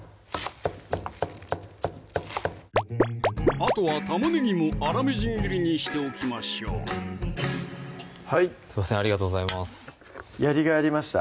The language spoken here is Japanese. あとは玉ねぎも粗みじん切りにしておきましょうはいすいませんありがとうございますやりがいありました